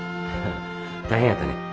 大変やったね。